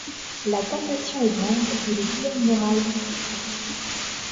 La tentation est grande et le dilemme moral tout autant.